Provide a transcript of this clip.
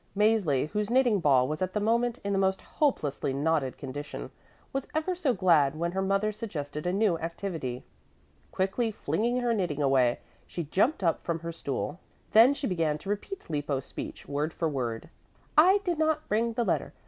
Mäzli, whose knitting ball was at that moment in the most hopelessly knotted condition, was ever so glad when her mother suggested a new activity. Quickly flinging her knitting away, she jumped up from her stool. Then she began to repeat Lippo's speech, word for word: "I did not bring the letter.